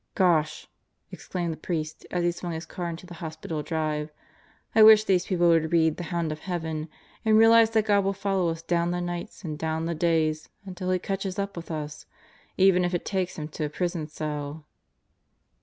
"Gosh!" exclaimed the priest as he swung his car into the hospital drive. "I wish these people would read The Hound of Heaven and realize that God will follow us 'down the nights and down the days/ until He catches up with us even if it takes Him to a prison cell."